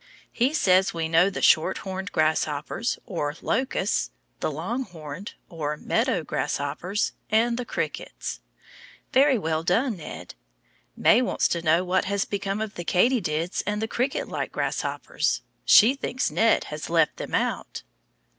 He says we know the shorthorned grasshoppers, or locusts, the longhorned, or meadow, grasshoppers, and the crickets. Very well done, Ned. May wants to know what has become of the katydids and the cricket like grasshoppers she thinks Ned has left them out.